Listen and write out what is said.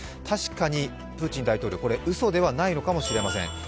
確かにプーチン大統領、うそではないのかもしれません。